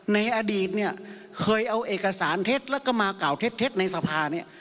ในอดีตเนี่ยเคยเอาเอกสารเท็จแล้วก็มากล่าวเท็จในสภาเนี่ย